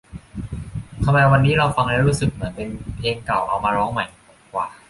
ทำไมวันนี้เราฟังแล้วรู้สึกเหมือนเป็นเพลงเก่าเอามาร้องใหม่หว่า